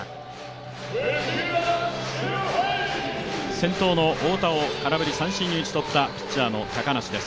先頭の太田を空振り三振に打ち取ったピッチャーの高梨です。